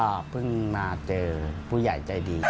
๒๐ประมาณปีก็เพิ่งมาเจอผู้ใหญ่ใจดี